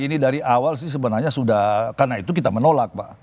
ini dari awal sih sebenarnya sudah karena itu kita menolak pak